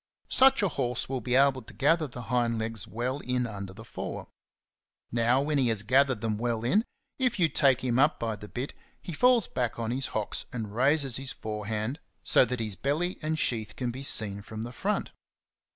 Such a horse will be able to gather the hind legs well in under the fore.^^ Now when he has gathered them well in, if you take him up with the bit, he falls back on his hocks and raises his forehand so that his belly and sheath can be seen from the front.